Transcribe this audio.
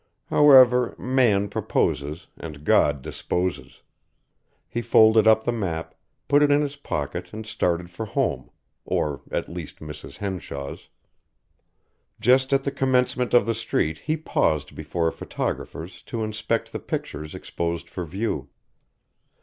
However, Man proposes and God disposes. He folded up the map, put it in his pocket and started for home or at least Mrs. Henshaw's. Just at the commencement of the street he paused before a photographer's to inspect the pictures exposed for view.